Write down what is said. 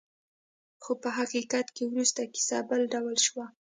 خو په حقیقت کې وروسته کیسه بل ډول شوه.